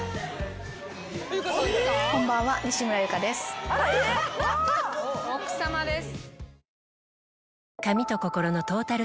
こんばんは西村ゆかです。